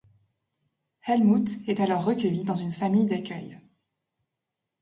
Helmut est alors recueilli dans une famille d'accueil.